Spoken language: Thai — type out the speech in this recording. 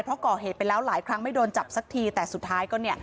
เพราะก่อเหตุไปแล้วหลายครั้งไม่โดนจับสักทีแต่สุดท้ายก็เนี่ย